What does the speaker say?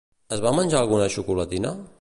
Es va menjar alguna xocolatina?